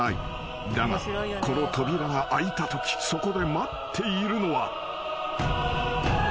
［だがこの扉が開いたときそこで待っているのは］